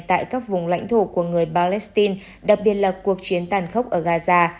tại các vùng lãnh thổ của người palestine đặc biệt là cuộc chiến tàn khốc ở gaza